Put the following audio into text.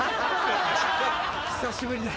久しぶりで。